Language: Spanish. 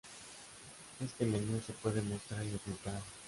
Este menú se puede mostrar y ocultar.